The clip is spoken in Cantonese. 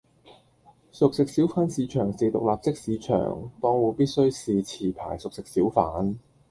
熟食小販市場是獨立式市場，檔戶必須是持牌熟食小販